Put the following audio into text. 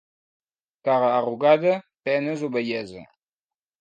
Cara arrugada, penes o vellesa.